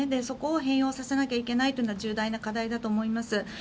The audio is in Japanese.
そこを変容させなきゃいけないというのは重大な課題だと思います。